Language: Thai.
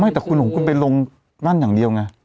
แต่คุณของคุณไปลงนั่นอย่างเดียวไง